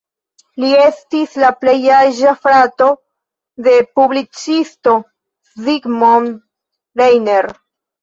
Li estis la pli aĝa frato de publicisto Zsigmond Reiner.